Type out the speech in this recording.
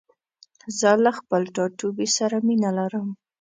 زه له خپل ټاټوبي سره مينه لرم.